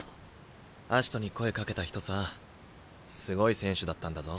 葦人に声かけた人さすごい選手だったんだぞ。